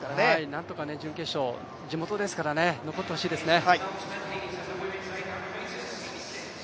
なんとか準決勝、地元ですから残ってほしいですよね。